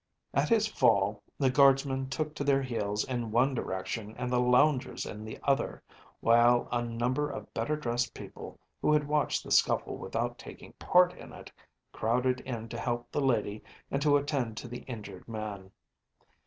At his fall the guardsmen took to their heels in one direction and the loungers in the other, while a number of better dressed people, who had watched the scuffle without taking part in it, crowded in to help the lady and to attend to the injured man.